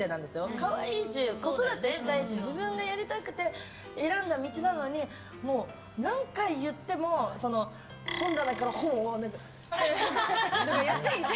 可愛いし、子育てしたいし自分がやりたくて選んだ道なのにもう何回言っても本棚から本をうぇってやってて。